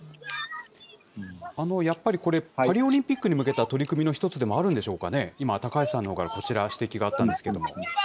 やっぱりこれ、パリオリンピックに向けた取り組みの一つでもあるんでしょうかね、今、高橋さんのほうからこちら、指摘があったんですけれども。